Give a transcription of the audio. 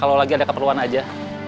kalau lagi ada keperluan aja